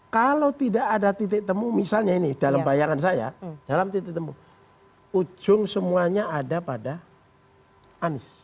kalau tidak ada titik temu misalnya ini dalam bayangan saya dalam titik temu ujung semuanya ada pada anies